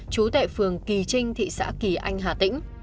trú tại phường kỳ trinh thị xã kỳ anh hà tĩnh